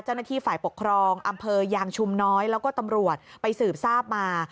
เจ้าหน้าที่ฝ่ายปกครองอำเภอยางชุมน้อยแล้วก็ตำรวจไปสืบทราบมา